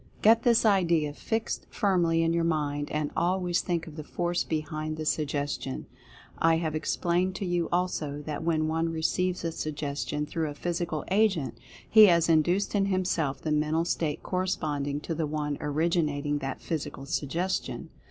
Get this idea fixed firmly in your mind, and always think of the Force behind the Suggestion. I have explained to you, also, that when one receives a Suggestion through a Physical agent, he has induced in himself the mental state corresponding to the one originating that Physical Suggestion.